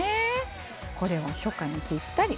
これも初夏にぴったり。